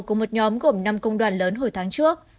của một nhóm gồm năm công đoàn lớn hồi tháng trước